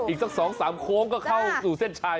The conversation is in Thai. อีกสัก๒๓โค้งก็เข้าสู่เส้นชัย